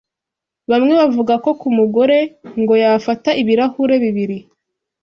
Bamwe bavuga ko ku mugore ngo yafata ibirahure bibiri